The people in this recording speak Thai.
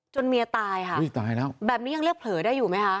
เมียตายค่ะอุ้ยตายแล้วแบบนี้ยังเรียกเผลอได้อยู่ไหมคะ